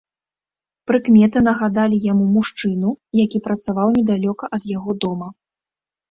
Прыкметы нагадалі яму мужчыну, які працаваў недалёка ад яго дома.